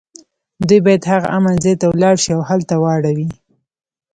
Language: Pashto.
دوی باید هغه امن ځای ته ولاړ شي او هلته واړوي